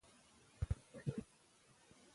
کینمن مه اوسئ.